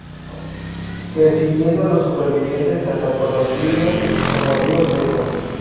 Persiguiendo a los supervivientes hasta el conocido como río Seco.